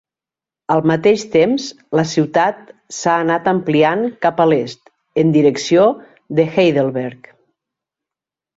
Al mateix temps, la ciutat s'ha anat ampliant cap a l'est, en direcció de Heidelberg.